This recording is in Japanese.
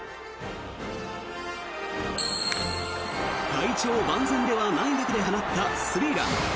体調万全ではない中で放ったスリーラン。